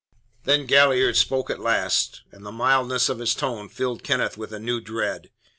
Then Galliard spoke at last, and the mildness of his tone filled Kenneth with a new dread.